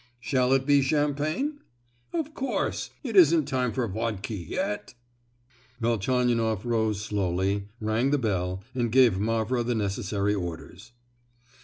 "Shall it be champagne?" "Of course! it isn't time for vodki yet!" Velchaninoff rose slowly—rang the bell and gave Mavra the necessary orders.